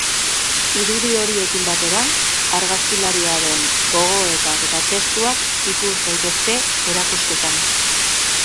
Irudi horiekin batera, argazkilariaren gogoetak eta testuak ikus daitezke erakusketan.